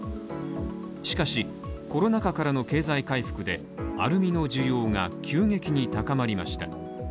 しかし、コロナ禍からの経済回復でアルミの需要が急激に高まりました